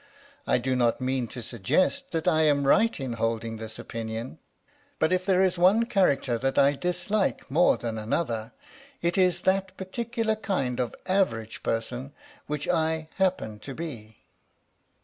I do not mean to suggest that I am right in holding this opinion, but if there is one character that I dis like more than another it is that particular kind of average person which I happen to be.